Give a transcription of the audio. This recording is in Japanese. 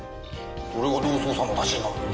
それがどう捜査の足しになるんだよ。